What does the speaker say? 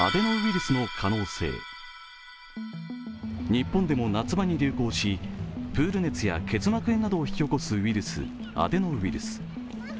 日本でも夏場に流行し、プール結膜炎などを引き起こすウイルス、アデノウイルス。